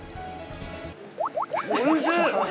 おいしい！